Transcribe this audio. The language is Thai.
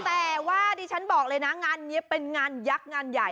แต่ว่าดิฉันบอกเลยนะงานนี้เป็นงานยักษ์งานใหญ่